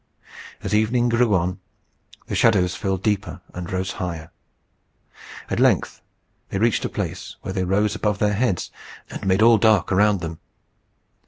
As evening grew on, the shadows fell deeper and rose higher. At length they reached a place where they rose above their heads, and made all dark around them.